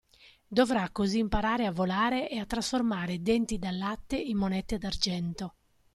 Dovrà così imparare a volare e a trasformare denti da latte in monete d'argento.